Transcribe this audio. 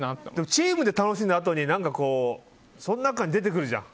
チームで楽しんだあとにその中に出てくるじゃん。